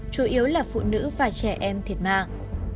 chủ yếu là phụ nữ và trẻ em thiệt mạng